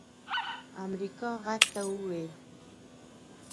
امريکا غږ ته وويل